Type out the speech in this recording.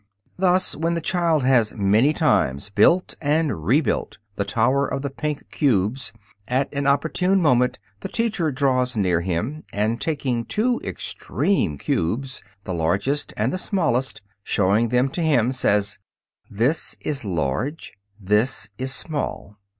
Thus, when the child has many times built and rebuilt the tower of the pink cubes, at an opportune moment the teacher draws near him, and taking the two extreme cubes, the largest and the smallest, and showing them to him, says, "This is large"; "This is small."